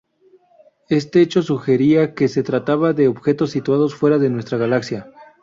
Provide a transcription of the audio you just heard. Este hecho sugería que se trataba de objetos situados fuera de nuestra galaxia.